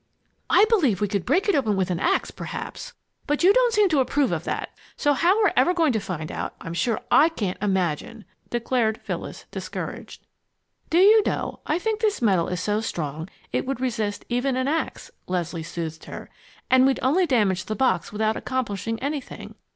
"I believe we could break it open with an ax, perhaps; but you don't seem to approve of that, so how we're ever going to find out, I'm sure I can't imagine!" declared Phyllis, discouraged. "Do you know, I think this metal is so strong it would resist even an ax," Leslie soothed her, "and we'd only damage the box without accomplishing anything.